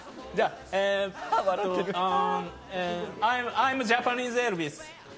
アイムジャパニーズエルヴィス。